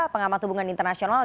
pengamat hubungan internasional